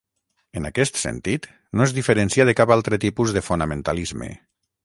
En aquest sentit no es diferencia de cap altre tipus de fonamentalisme.